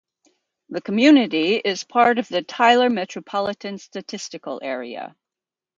The community is part of the Tyler Metropolitan Statistical Area.